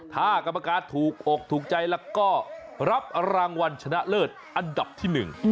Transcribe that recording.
ถ้ากรรมการถูกอกถูกใจแล้วก็รับรางวัลชนะเลิศอันดับที่หนึ่ง